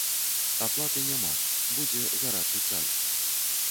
Аплаты няма, будзе гарачы чай.